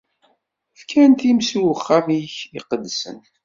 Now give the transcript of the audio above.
Fkan times i uxxam-ik iqedsen.